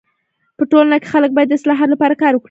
په ټولنه کي خلک باید د اصلاحاتو لپاره کار وکړي.